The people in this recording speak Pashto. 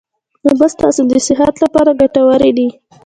اوبه ستاسو د صحت لپاره ګټوري دي